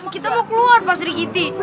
kita mau keluar pak sri kiti